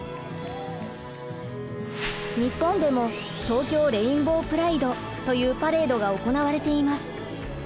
日本でも東京レインボープライドというパレードが行われています。